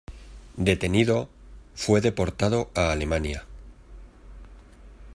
Detenido, fue deportado a Alemania.